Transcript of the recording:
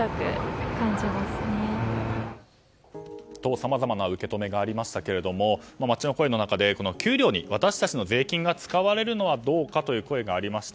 さまざまな受け止めがありましたが街の声の中で給料に私たちの税金が使われるのはどうかという声がありました。